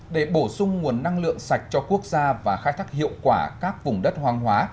để bổ sung nguồn năng lượng sạch cho quốc gia và khai thác hiệu quả các vùng đất hoang hóa